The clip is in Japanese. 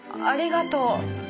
ありがとう。